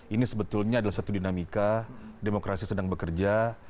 ini sebetulnya adalah satu dinamika demokrasi sedang bekerja